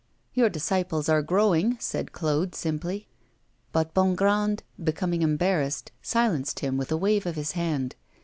'Your disciples are growing,' said Claude, simply. But Bongrand, becoming embarrassed, silenced him with a wave of his hand.